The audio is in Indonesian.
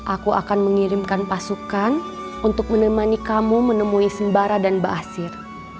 aku akan mengirimkan pasukan untuk menemani kamu menemui sembara dan baasir